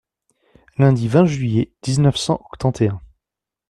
Lundi vingt juillet dix-neuf cent octante et un.